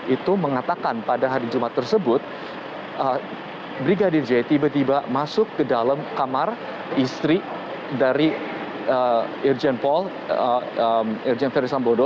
itu mengatakan pada hari jumat tersebut brigadir j tiba tiba masuk ke dalam kamar istri dari irjen ferdisambodo